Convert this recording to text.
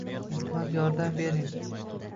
Iltimos yordam bering